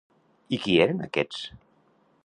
I qui eren aquests?